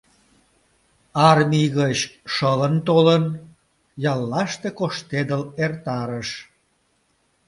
Армий гыч шылын толын, яллаште коштедыл эртарыш.